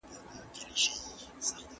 د اسلامي بانکدارۍ اصولو ته پاملرنه وکړئ.